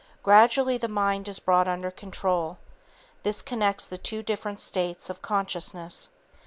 Gradually the mind is brought under control. This connects the two different states of consciousness.